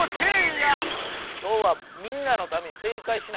今日はみんなのために正解しないと。